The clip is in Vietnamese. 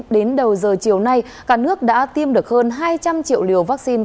đến đầu giờ chiều nay cả nước đã tiêm được hơn hai trăm linh triệu liều vaccine